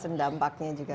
dan dampaknya juga